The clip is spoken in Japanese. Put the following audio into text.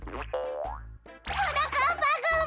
はなかっぱくん！